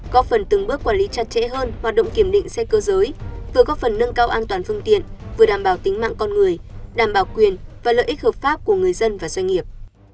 có phần từng bước quản lý chặt chẽ hơn hoạt động kiểm định xe cơ giới vừa góp phần nâng cao an toàn phương tiện vừa đảm bảo tính mạng con người đảm bảo quyền và lợi ích hợp pháp của người dân và doanh nghiệp